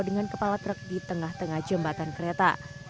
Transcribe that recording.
dengan kepala truk di tengah tengah jembatan kereta